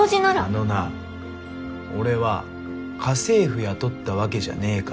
あのな俺は家政婦雇ったわけじゃねぇから。